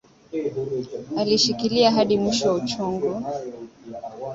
Alishikilia hadi mwisho wa uchungu